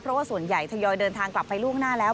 เพราะว่าส่วนใหญ่ทยอยเดินทางกลับไปล่วงหน้าแล้ว